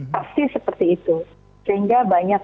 pasti seperti itu sehingga banyak